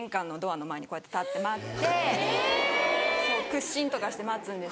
屈伸とかして待つんです。